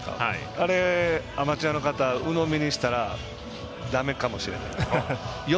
あれ、アマチュアの方うのみにしたらだめかもしれない。